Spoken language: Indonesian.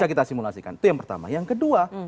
itu yang pertama yang kedua